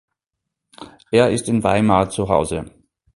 Er ist in Weimar zuhause.